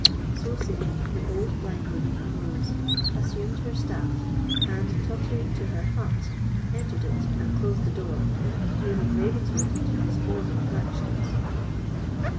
So saying, the old blind woman arose, assumed her staff, and, tottering to her hut, entered it and closed the door, leaving Ravenswood to his own reflections.